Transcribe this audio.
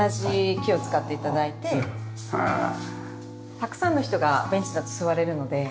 たくさんの人がベンチだと座れるので。